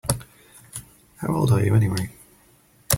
How old are you anyway?